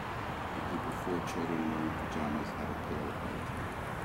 A group of four children wearing pajamas have a pillow fight.